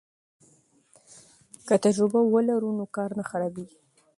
که تجربه ولرو نو کار نه خرابیږي.